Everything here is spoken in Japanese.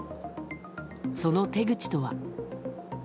その手口とは。